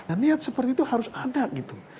nah niat seperti itu harus ada gitu